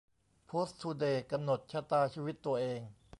โพสต์ทูเดย์ : กำหนดชะตาชีวิตตัวเอง